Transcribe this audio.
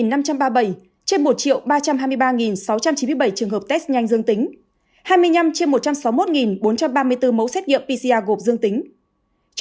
lý kế có hai năm trăm ba mươi bảy trên một ba trăm hai mươi ba sáu trăm chín mươi bảy trường hợp test nhanh dương tính hai mươi năm trên một trăm sáu mươi một bốn trăm ba mươi bốn mẫu xét nghiệm pcr gộp dương tính